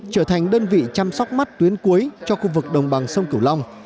trở thành đơn vị chăm sóc mắt tuyến cuối cho khu vực đồng bằng sông cửu long